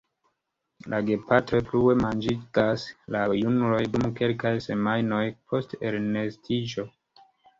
La gepatroj plue manĝigas la junuloj dum kelkaj semajnoj post elnestiĝo.